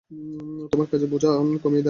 তোমার কাজের বোঝা কমিয়ে দেয়া হবে।